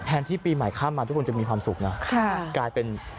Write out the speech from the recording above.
ที่ปีใหม่ข้ามมาทุกคนจะมีความสุขนะกลายเป็น